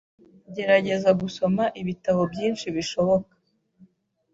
Gerageza gusoma ibitabo byinshi bishoboka .